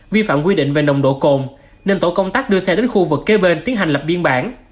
vi phạm quy định về nồng độ cồn nên tổ công tác đưa xe đến khu vực kế bên tiến hành lập biên bản